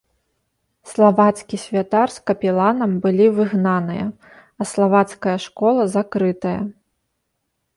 Славацкі святар з капеланам былі выгнаныя, а славацкая школа закрытая.